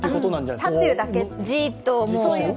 立ってるだけ、じーっと。